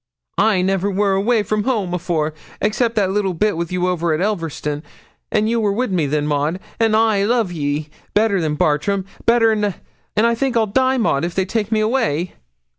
'I never wor away from home afore, except that little bit wi' you over there at Elverston; and you wor wi' me then, Maud; an' I love ye better than Bartram better than a'; an' I think I'll die, Maud, if they take me away.'